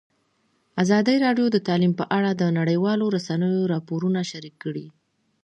ازادي راډیو د تعلیم په اړه د نړیوالو رسنیو راپورونه شریک کړي.